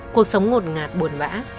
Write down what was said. cuộc sống ngột ngạt buồn vã